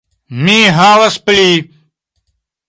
Mi havas pli